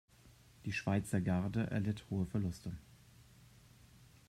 Die Schweizergarde erlitt hohe Verluste.